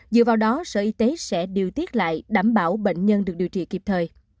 dựa vào đó sở y tế sẽ điều tiết lại đảm bảo bệnh nhân được điều trị kịp thời